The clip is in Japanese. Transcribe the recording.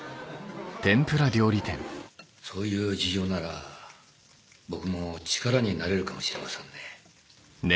そういう事情なら僕も力になれるかもしれませんね。